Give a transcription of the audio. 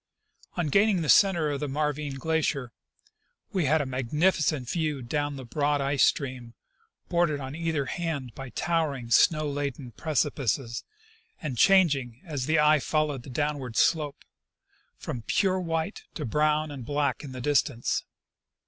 On gaining the center of the Marvine glacier we had a mag nificent view down the broad ice stream, bordered on either hand by towering, snow laden precipices, and changing, as the eye fol lowed the downward slope, from pure white to brown and black in the distance.